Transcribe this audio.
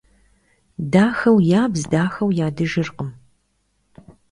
Дахэу ябз дахэу ядыжыркъым.